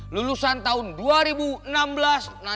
lulusan tahun dua ribu enam belas